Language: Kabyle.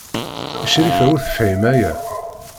Crifa ur tefhim aya.